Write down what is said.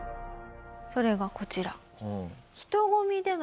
それがこちら。